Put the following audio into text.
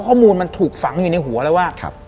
ข้อมูลมันถูกฝังอยู่ในหัวแล้วว่า